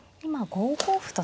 ５五歩と。